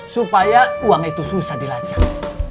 supaya uang itu susah dilacak